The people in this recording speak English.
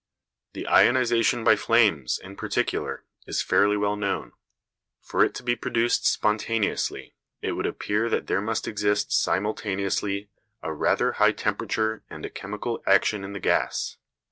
The ionisation by flames, in particular, is fairly well known. For it to be produced spontaneously, it would appear that there must exist simultaneously a rather high temperature and a chemical action in the gas.